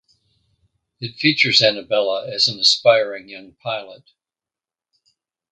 If features Annabella as an aspiring young pilot.